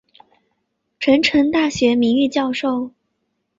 成城大学名誉教授。